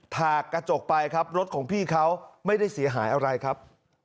ถากกระจกไปครับรถของพี่เขาไม่ได้เสียหายอะไรครับ